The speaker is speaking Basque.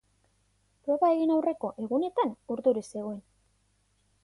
Proba egin aurreko egunetan urduri zegoen.